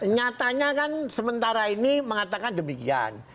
nyatanya kan sementara ini mengatakan demikian